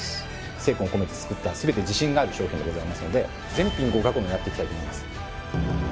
・精魂込めて作った全て自信がある商品でございますので全品合格を狙っていきたいと思います